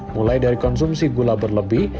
mulai dari konsumsi gula berlebih